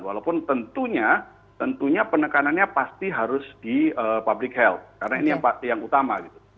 walaupun tentunya tentunya penekanannya pasti harus di public health karena ini yang utama gitu